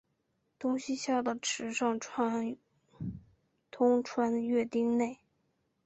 东西向的池上通穿越町内。